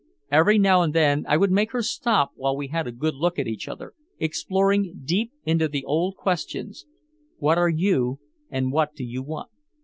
Every now and then I would make her stop while we had a good look at each other, exploring deep into the old questions, "What are you and what do you want?"